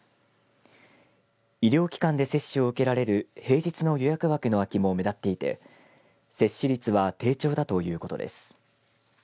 医療機関で接種を受けられる平日の予約枠の空きも目立っていて接種率は低調だということです。